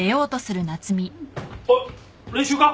おっ練習か？